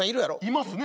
いますね。